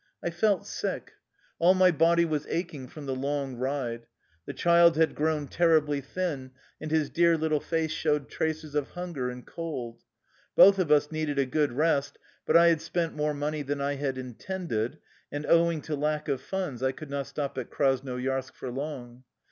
I felt sick. All my body was aching from the long ride. The child had grown terribly thin, and his dear little face showed traces of hunger and cold. Both of us needed a good rest, but I had spent more money than I had intended, and owing to lack of funds, I could not stop at Krasnoyarsk for long.